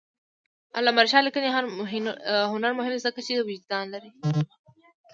د علامه رشاد لیکنی هنر مهم دی ځکه چې وجدان لري.